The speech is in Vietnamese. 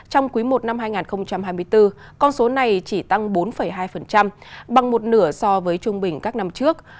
trong quý i năm hai nghìn hai mươi bốn con số này chỉ tăng bốn hai bằng một nửa so với trung bình các năm trước